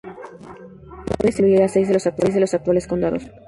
Ese condado incluía seis de los actuales condados.